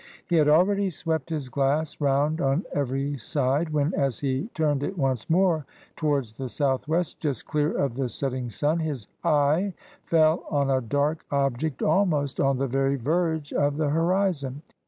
He had already swept his glass round on every side when, as he turned it once more towards the south west, just clear of the setting sun, his eye fell on a dark object almost on the very verge of the horizon.